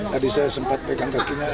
tadi saya sempat pegang kakinya